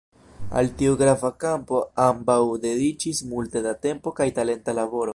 Al tiu grava kampo ambaŭ dediĉis multe da tempo kaj talenta laboro.